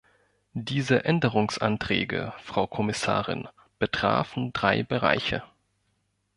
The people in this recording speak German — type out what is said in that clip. Diese Änderungsanträge, Frau Kommissarin, betrafen drei Bereiche.